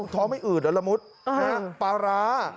ท้องไม่อืดเหรอละมุษย์ปลาร้า